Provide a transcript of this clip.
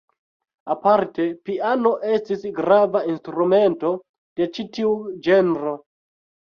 Aparte piano estis grava instrumento de ĉi tiu ĝenro.